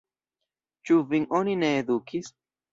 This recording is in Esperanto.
Ĉu vin oni ne edukis?